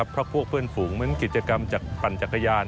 เพราะพวกเพื่อนฝูงมีกิจกรรมปั่นจักรยาน